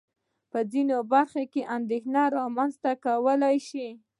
په ځينو برخو کې اندېښنه رامنځته کولای شي.